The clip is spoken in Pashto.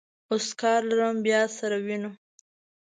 اوس کار لرم، بیا سره وینو.